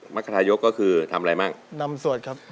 รรคทายกก็คือทำอะไรมั่งนำสวดครับ